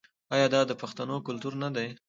آیا دا د پښتنو کلتور نه دی؟